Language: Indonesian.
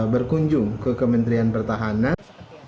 berkunjung ke kementerian pertahanan